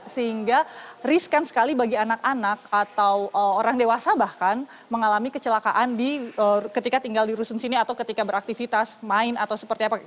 sehingga riskan sekali bagi anak anak atau orang dewasa bahkan mengalami kecelakaan ketika tinggal di rusun sini atau ketika beraktivitas main atau seperti apa